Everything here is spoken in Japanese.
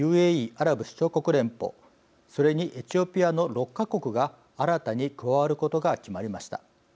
アラブ首長国連邦それにエチオピアの６か国が新たに加わることが決まりました。